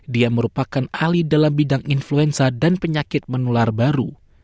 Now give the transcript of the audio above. dia merupakan ahli dalam bidang influenza dan penyakit menular baru